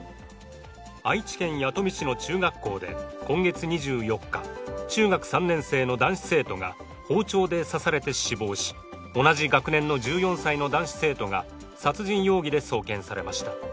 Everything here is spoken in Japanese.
愛知県弥富市の中学校で今月２４日、中学３年生の男子生徒が包丁で刺されて死亡し同じ学年の１４歳の男子生徒が殺人容疑で送検されました。